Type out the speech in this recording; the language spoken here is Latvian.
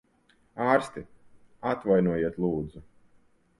Ārsti! Atvainojiet, lūdzu.